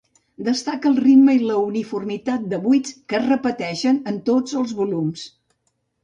Destaca el ritme i la uniformitat de buits que es repeteixen en tots els volums.